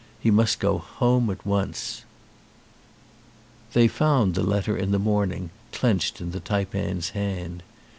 He must go home at once. They found the letter in the morning clenched in the taipan's hand.